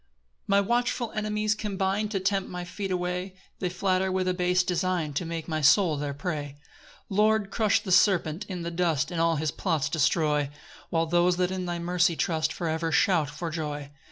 6 My watchful enemies combine To tempt my feet astray; They flatter with a base design To make my soul their prey. 7 Lord, crush the serpent in the dust, And all his plots destroy; While those that in thy mercy trust For ever shout for joy.